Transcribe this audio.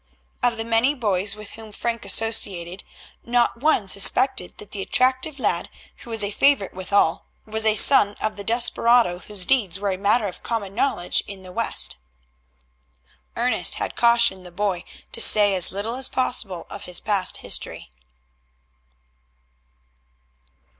Of the many boys with whom Frank associated not one suspected that the attractive lad, who was a favorite with all, was a son of the desperado whose deeds were a matter of common knowledge in the West. Ernest had cautioned the boy to say as little as possible of his past history.